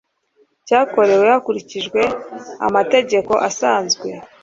cyakorewe hakurikijwe amategeko asanzwe